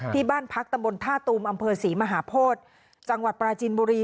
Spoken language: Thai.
ที่บ้านพักตำบลท่าตูมอำเภอศรีมหาโพธิจังหวัดปราจินบุรี